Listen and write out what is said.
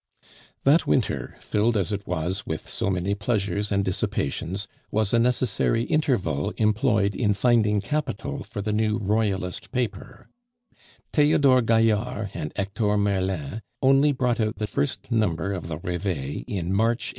That winter, filled as it was with so many pleasures and dissipations, was a necessary interval employed in finding capital for the new Royalist paper; Theodore Gaillard and Hector Merlin only brought out the first number of the Reveil in March 1822.